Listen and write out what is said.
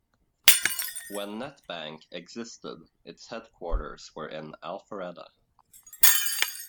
When NetBank existed, its headquarters were in Alpharetta.